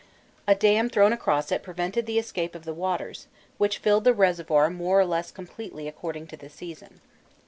A dam thrown across it prevented the escape of the waters, which filled the reservoir more or less completely according to the season.